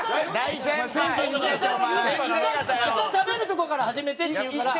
イカ食べるとこから始めてって言うから。